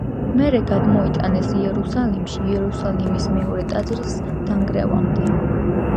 მერე გადმოიტანეს იერუსალიმში იერუსალიმის მეორე ტაძრის დანგრევამდე.